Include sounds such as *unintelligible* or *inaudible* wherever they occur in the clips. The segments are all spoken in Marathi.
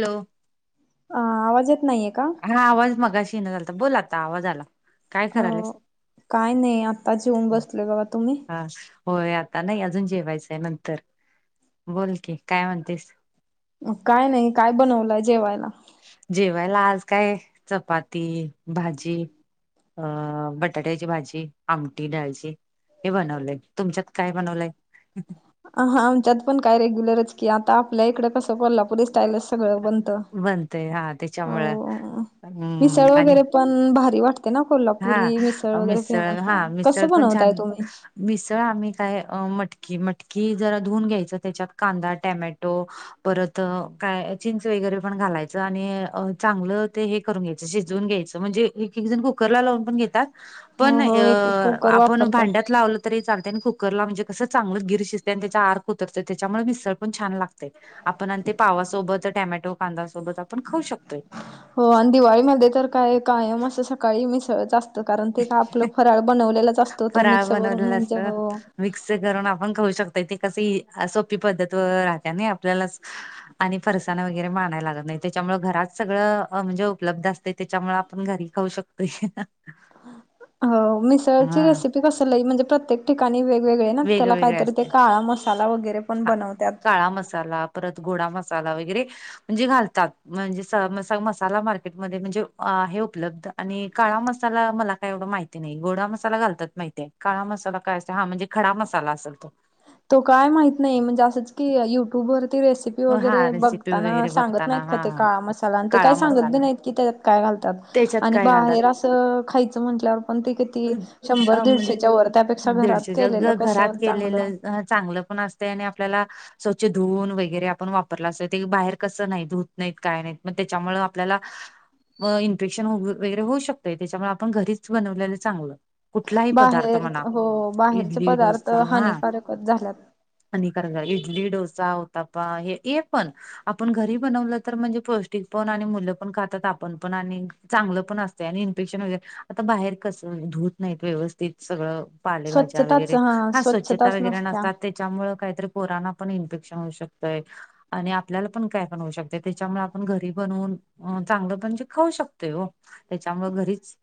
लो आ आवाज येत नाहीये का? हां आवाज मगाशी येन झालता बोल आता आवाज आला. काय अं करायलास काय नई आताच जेऊन बसले बगा तुमी. हां होय आता नाही अजून जेवायचंय नंतर. बोल की काय म्हणतीस? अं काय नाही काय बनवलाय जेवायला? जेवायला आज काय चपाती भाजी. अं बटाट्याची भाजी, आमटी डाळची. हे बनवलंय. तुमच्यात काय बनवलंय? अं हां आमच्यात पण काय रेग्युलरच की, आता आपल्या इकडं कसं कोल्हापुरी स्टाईलस सगळ बनतं. बनतय हा त्याच्यामुळं हो, हम्म मिसळ आणि वगैरे पण भारी वाट ते ना कोल्हापुरी मिसळ हा वगैरे फेमस हा आय. मिसळ कसं पण बनवताय छान तुम्ही? मिसळ आम्ही काय अ मटकी-मटकी जरा धुऊून घ्यायचं त्याच्यात कांदा टोमॅटो परत काय चिंच वगैरे पण घालायचं आणि अ चांगलं ते हे करून घ्यायचं, शिजवून घ्यायचं म्हनजे एकेक जण गो कुकरला लावून पण घेतात हो पण हो अ एक एक कुकर आपण वापरतात. भांड्यात लावल तरी चालते आणि कुकरला म्हणजे कसं चांगलंच गिर शिजतय आणि त्याच्या अर्क उतरतय त्याच्यामुळ मिसळ पण छान लागतय. आपण अनं ते पावा सोबत टॅमॅटो कांद्या सोबत आपण खाऊ शकतोय. हो आणि दिवाळीमध्ये तर काय कायम असं सकाळी मिसळच असं त कारण ते काय आपलं फराळ बनवलेलाच असतो तो फराळ मिक्सरवरून बनवलेलं घेउनचाय असतं. हो मिक्स करून आपण खऊ शकतोय ते कस ई सोपी पद्धत व राहतने नय आपल्यालाच आणि फरसान वगैरे म आणायला लागत नाही त्याच्यामुळे घरात सगळं अ म्हणजे उपलब्ध असतय त्याच्यामुळ आपण घरी करू शक *unintelligible* हो मिसळची रेसिपी कस लई म्हणजे प्रत्येक ठिकाणी वेगवेगळे ना त्याला वेगवेगळे कायतरी ते असते काळा मसा साला वगैरे पण हा बनवत्यात. काळा मसाला परत गोडा मसाला वगैरे म्हणजे घालतात म्हणजे स मस मसाला मार्केटमध्ये म्हणजे अहे उपलब्ध आणि काळा मसाला मला काय एवढं माहिती नाही गोडा मसाला घालतात माहितीये काळा मसाला काय असत हा म्हणजे खडा मसाला असल तो तो काय माहत नाही म्हणजे असंच की युट्यूबवरती रेसिप पी हा वगैरे रेसिपी बघताना वगैरे सांगत नाहीत बघताना हा का ते हा काळा मसाला आणि ते काही काळा सांगत मसाला बी नाहीत की त्याज्यात काय घालतात त्याच्यात आणि काय घालतात बाहेर असं खायचं म्हंटल्यावर पण ते किती शंब्बर दीडशे च्या वर ते आता दीडशे ज ग घरात केलेलं चांगलं पण असतय आणि आपल्याला स्वच्छ धुवून वगैरे आपण वापरलं असत ते बाहेर कसं नाही धुत नाहीत काय नाहीत म त्याच्यामुळ आपल्याला व इन्फेक्शन वगैरे होऊ शकतंय त्याच्यामुळ आपण घरीच बनवलेलं चांगलं. कुठलाही पदार्थ बाहेर म्हणा हो बाहेरचे इडली पदार्थ डोसा हा हानिकारकच झाल्यात. हानिकारक हाय. इडली, डोसा, उतापा ये हे पण आपण घरी बनवलं तर म्हणजे पौष्टिक पण आणि मूलं पण खातात. आप आपण पण आणि चांगलं पण असतंय आणि इन्फेक्शन वगैरे आता बाहेर कसं धूत नाहीत व्यवस्थित सगळं पालेभाज्या स्वच्छताच वगैरे हा स्वच्छता स्वच्छताच वगैरे नसत्या. नसतात ते त्याच्यामुळं कायतरी पोरांना पण इन्फेक्शन होऊ शकतंय. आणि आपल्याला पण काय पण होऊ शकतंय त्याच्यामुळं आपण घरी बनवून अ चांगलं म्हणजे खाऊ शकतोय ओ त्याच्यामुळं घरीच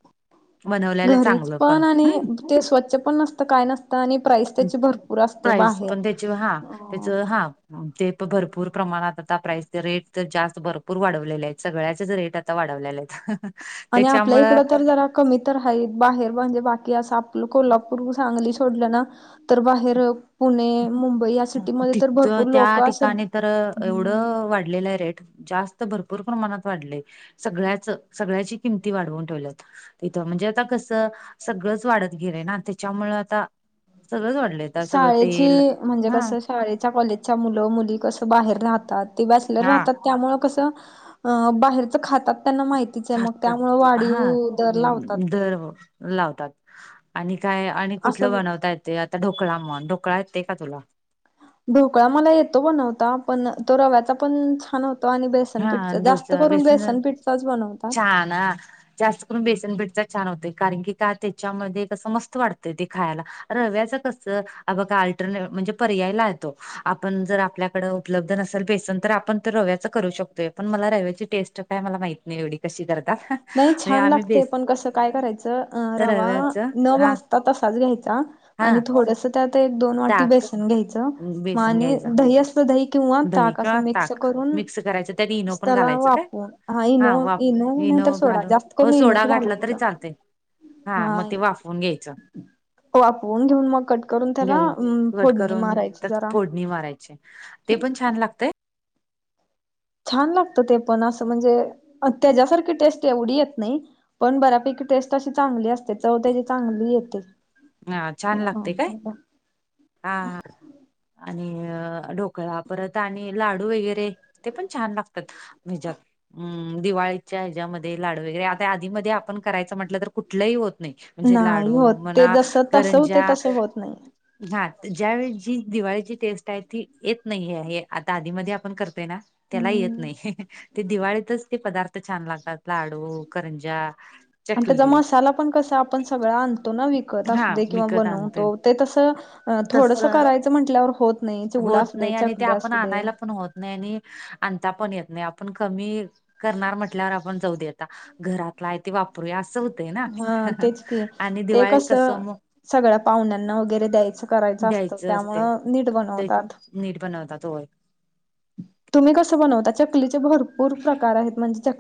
बनवल्यालं घरीच चांगलं पण आणि हम्म ते स्वच्छ पण नसत काय नसत आणि प्राईस त्याची भरपूर असते बाहेर अ त्याचं हा ते प भरपूर प्रमाणात आता प्राईस ते रेट त जास्त भरपूर वाढवलेले आहेत सगळ्याच रेट आ आता वाढवल्याले येत. आणि आपल्या इकडं तर जरा कमी तर हाईत बाहेर म्हणजे बाकी असं आपलं कोल्हापूर सांगली सोडलं ना तर बाहेर पुणे मुंबई म सिटीमध्ये तर तिथं भरपूर त्या लोक असं ठिकाणी तर एवढं वाढलेलंय रेट जास्त त भरपूर प्रमाणात वाढलंय सगळ्याचं सगळ्याची किंमती वाढवून ठेवल्यात. तिथं म्हणजे आता कसं सगळंच वाढत गेलंय ना त्याच्यामुळं आता सगळंच वाढलंय आता सगळं शाळेची तेल म्हणजे हा कसं शाळेच्या कॉलेजच्या मुलं मुली कसं बाहेर राहतात ते बॅचलर हा राहतात. त्यामुळं कसं अं बाहेरचं खातात. त्यांना माहितीच ये म खातात त्यामुळं वाढीव हा दर लावतात ते दर लावतात आणि काय आणि कुठलं असं बनवतात ते आता ढोकळा म्हण ढोकळा येतंय का तुला ढोकळा मला येतो बनवता पण तो रव्याचा पण छान होतो आणि बेस सन हा पीठचा, जास्त डोसा करून बेसन पिठचाच बनवतात. हा छान ना. जास्त करून बेसन पीठचा छान होतोय, कारण की का त्याच्यामध्ये कसं मस्त वाटतंय ते खायला. रव्याचं कसं, अगं अल्टरला, म्हणजे पर्यायला ये तो आपण जर आपल्याकडं उपलब्ध नसल बेसन, तर आपण तर रव्याचा करू शकतोय, पण मला रव्याची टेस्ट काय मला माहित नही एवढी कशी कर नही छान लागतंय, पण कसं काय करायचं? अ रवा रव्याच न हा भाजता तसाच घ्यायचा हा आणि थोडंसं त्यात एक दोन वाटी ताक बेसन घ्यायचं, मग बेसन आणि घ्यायचं दही असतं दही? किंवा दही ताक किंवा असं मिक्स ताक करून, मिक्स करायचं त्यात इनो स् पण त्याला घालायचं काय वाफवून, हा इनो- वाफ इनो नाही तर सोडा, घालून जास्त हो करून सोडा इनोच घातला तरी घालायचा. चालतय हा मग ते वाफवून घ्यायचं. वाफवून घेऊन मग कट करून त्याला, फोडणी मारायची जरा. णी मारायची, ते पण छान लागतंय. छान लागतं ते पण असं म्हणजे, त्याच्यासारखी टेस्ट एवढी येत नाही. पण बऱ्यापैकी टेस्ट अशी चांगली असते, चव त्याची चांगली येते. हां छान लागते काय? हां हां. आणि ढोकळा, परत आणि लाडू वगैरे ते पण छान लागतात. हे ज्यात, म दिवाळीच्या ह्याच्यामध्ये लाडू वगैरे आता आधीमधी आपण करायचं, म्हटलं तर कुठ लंही होत नही, म्हणजे नाही लाडू म्हणा, करंज्या नही. हां ज्या वेळी जी दिवाळीची टेस्ट आहे, ती येत नाही आहेे, हे आता आधीमधी आपण कर त ना, त्याला येत हम्म नाही, ते दिवाळीतच ते पदार्थ छान लागतात, लाडू, करंज्या अन त्याचा मसाला पण कसा आपण सगळा आणतो ना विक कत हा असूदे किंवा विकत आणतोय बनवतो, ते तसं तस थोडंसं करायचं म्हटल्यावर होत नाही चिवडा होत असू दे नाही आणि ते चकली आपण असू दे आणायला पण होत नही आणि आणता पण येत नाही, आपण कमी करणार म्हटल्यावर आपण जाऊ दे आता, घरातला आहे ते वाप रुया, असं होतय ना हा तेच की आणि ते दिवाळीत कसं मग सगळ्या पाहुण्यांना वगैरे द्यायचं करायचं असतं, द्यायचं असते त्यामुळं नीट ते बनवतात. नीट बनवतात होय. तुम्ही कस बनवता? चकलीचे भरपूर प्रकार आहेत. म्हणजे चकली